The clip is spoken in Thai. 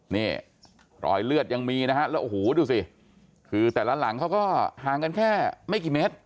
นี่รอยเลือดยังมีนะฮะแล้วโอ้โหดูสิคือแต่ละหลังเขาก็ห่างกันแค่ไม่กี่เมตร